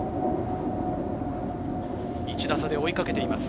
１打差で追いかけています。